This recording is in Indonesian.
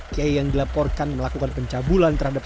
kiai yang dilaporkan melakukan pencabulan terhadap